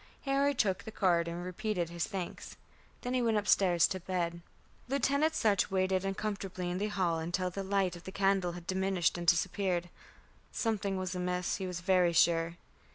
Harry took the card and repeated his thanks. Then he went upstairs to bed. Lieutenant Sutch waited uncomfortably in the hall until the light of the candle had diminished and disappeared. Something was amiss, he was very sure.